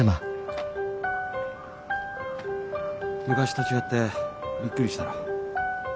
昔と違ってびっくりしたろう。